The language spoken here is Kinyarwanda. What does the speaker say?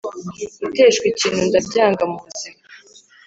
Guteshwa ikinu ndabyanga mubuzima